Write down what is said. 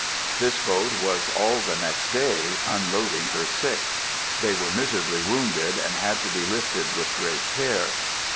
This boat was all the next day unloading her sick; they were miserably wounded, and had to be lifted with great care.